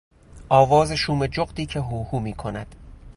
آواز شوم جغدی که هوهو میکند